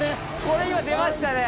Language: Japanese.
これは出ましたね。